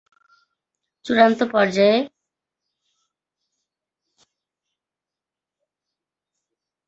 চূড়ান্ত পর্যায়ে, বীর্যপাতের প্রাক্কালে পুরুষ সঙ্গীর শিশ্ন তার নারী সঙ্গী নিজের যোনি মধ্যে, মলদ্বার, বা মুখে নিয়ে নেয়।